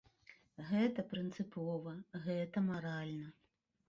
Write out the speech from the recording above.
Гэта прынцыпова, гэта маральна.